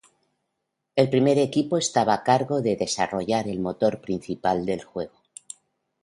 El primer equipo estaba a cargo de desarrollar el motor principal del juego.